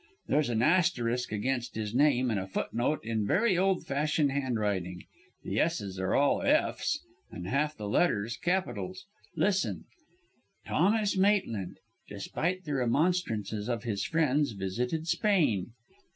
There's an asterisk against his name and a footnote in very old fashioned handwriting the 's's' are all 'f's,' and half the letters capitals. Listen "'Thomas Maitland, despite the remonstrances of his friends, visited Spain.